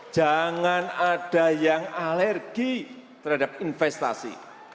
jangan ada yang alergi terhadap investasi